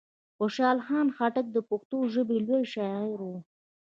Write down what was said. خوشحال خان خټک د پښتو ژبي لوی شاعر وو.